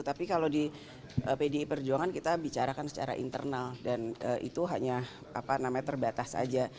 tapi kalau di pdi perjuangan kita bicarakan secara internal dan itu hanya terbatas saja